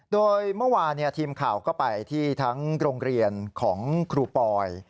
โดยเมื่อวานทีมข่าวก็ไปที่ทั้งโรงเรียนของครูปอย